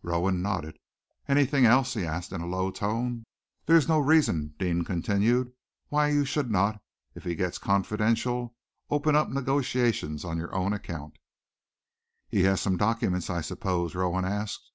Rowan nodded. "Anything else?" he asked in a low tone. "There is no reason," Deane continued, "why you should not, if he gets confidential, open up negotiations on your own account." "He has some documents, I suppose?" Rowan asked.